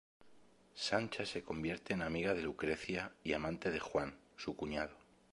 Sancha se convierte en amiga de Lucrecia y amante de Juan, su cuñado.